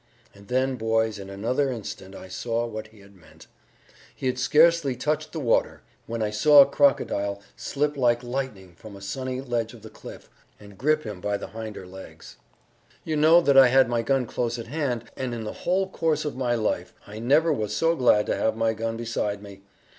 And then, boys, in another instant I saw what he had meant. He had scarcely touched the water when I saw a crocodile slip like lightning from a sunny ledge of the cliff, and grip him by the hinder legs. "You know that I had my gun close at hand, and in the whole course of my life I never was so glad to have my gun beside me.